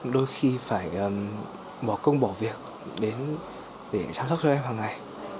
đôi khi phải bỏ công bỏ việc để chăm sóc cho em hàng ngày